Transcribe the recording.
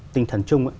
tinh thần chung